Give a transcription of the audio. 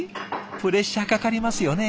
プレッシャーかかりますよね